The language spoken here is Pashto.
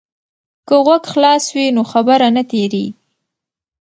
که غوږ خلاص وي نو خبره نه تیریږي.